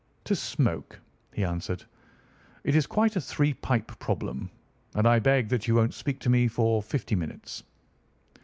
"To smoke," he answered. "It is quite a three pipe problem, and I beg that you won't speak to me for fifty minutes."